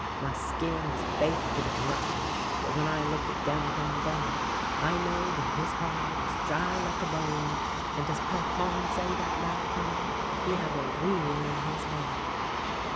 My skin is bake and rough, but when I look at Gal Bargon I know that his heart is dry like a bone, and, as Parpon say that back time, he have a wheel in his head.